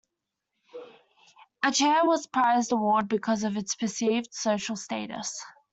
A chair was a prized award because of its perceived social status.